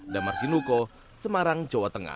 dan marsi nuko semarang jawa tengah